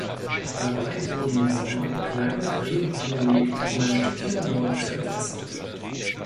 Dabei wurden im Sommer kleine Gräben angelegt, um ein Stückchen Moor zu entwässern.